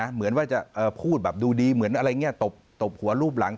เหมือนว่าจะพูดแบบดูดีเหมือนอะไรอย่างนี้ตบหัวรูปหลัง